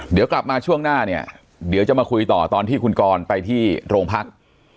เดี๋ยวกลับมาช่วงหน้าเนี่ยเดี๋ยวจะมาคุยต่อตอนที่คุณกรไปที่โรงพัก